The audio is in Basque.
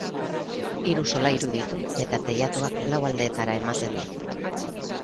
Hiru solairu ditu eta teilatuak lau aldeetara ematen du.